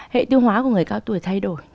hệ tiêu hóa của người cao tuổi thay đổi